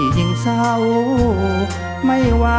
ที่ยิ่งเศร้าไม่หวาน